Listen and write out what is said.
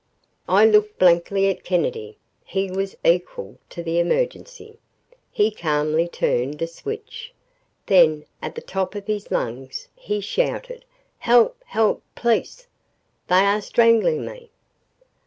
I looked blankly at Kennedy. He was equal to the emergency. He calmly turned a switch. Then, at the top of his lungs, he shouted, "Help! Help! Police! They are strangling me!"